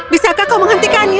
bisakah kau menghentikannya